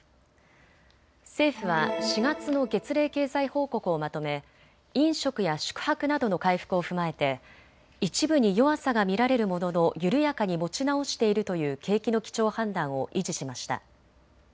政府は４月の月例経済報告をまとめ飲食や宿泊などの回復を踏まえて一部に弱さが見られるものの緩やかに持ち直しているという景気の基調判断を維持しました。